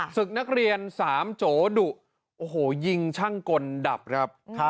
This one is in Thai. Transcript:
ศึกนักเรียน๓โจดุโอ้โหยิงช่างกลดับครับ